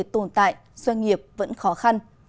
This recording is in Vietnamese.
tồn tại doanh nghiệp vẫn khó khăn